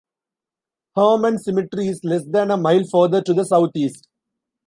Harman Cemetery is less than a mile further to the southeast.